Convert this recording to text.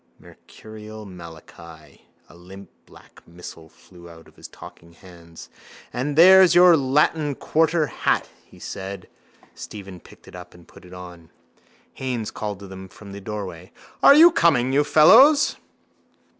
Mercurial Malachi. A limp black missile flew out of his talking hands. —And there's your Latin quarter hat, he said. Stephen picked it up and put it on. Haines called to them from the doorway: —Are you coming, you fellows?